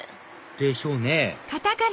でしょうね